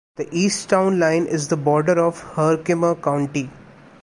The east town line is the border of Herkimer County.